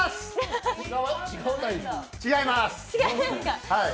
違います！